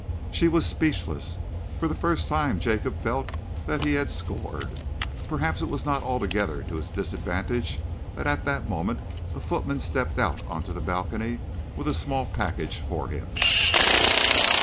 She was speechless. For the first time Jacob felt that he had scored. Perhaps it was not altogether to his disadvantage that at that moment a footman stepped out on to the balcony with a small package for him.